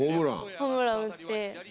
ホームランを打って。